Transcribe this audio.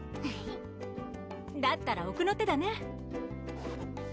だったら奥の手だね